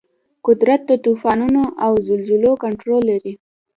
قدرت د طوفانونو او زلزلو کنټرول لري.